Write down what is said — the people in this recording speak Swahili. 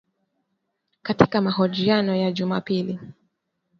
Katika mahojiano ya Jumapili